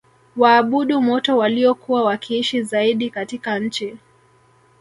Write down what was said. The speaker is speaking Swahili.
waabudu moto waliokuwa wakiishi zaidi katika nchi